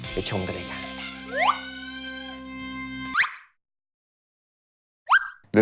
ไปชมกันเลยค่ะ